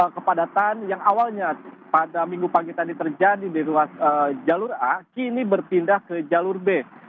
kepadatan yang awalnya pada minggu pagi tadi terjadi di ruas jalur a kini berpindah ke jalur b